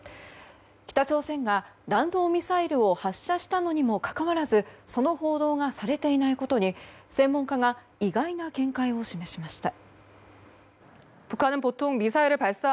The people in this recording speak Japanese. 北朝鮮が弾道ミサイルを発射したのにもかからずその報道がされていないことに専門家が意外な見解を示しました。